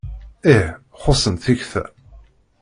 Ih, xuṣṣent tikta.